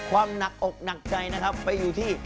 ความหนักอกหนักใจนะครับไปอยู่ที่